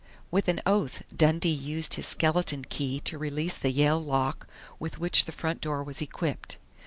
With an oath, Dundee used his skeleton key to release the Yale lock with which the front door was equipped.